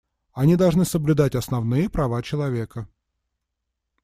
Они должны соблюдать основные права человека.